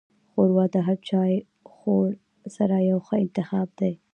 ښوروا د هر چایخوړ سره یو ښه انتخاب دی.